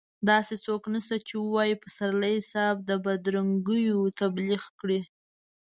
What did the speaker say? داسې څوک نشته چې ووايي پسرلي صاحب د بدرنګيو تبليغ کړی.